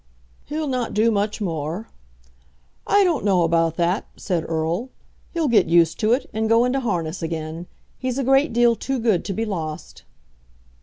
"He'll not do much more." "I don't know about that," said Erle. "He'll get used to it, and go into harness again. He's a great deal too good to be lost."